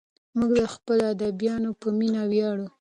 موږ د خپلو ادیبانو په مینه ویاړو.